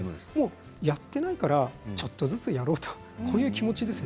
やっていないからちょっとずつやろうという気持ちですね。